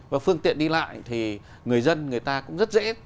và phương tiện đi lại thì người dân người ta cũng rất dễ